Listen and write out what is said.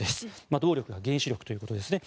動力が原子力ということですね。